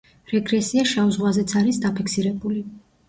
რეგრესია შავ ზღვაზეც არის დაფიქსირებული.